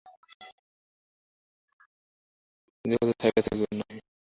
কিন্তু এ কথা ছাপা থাকিবার নহে।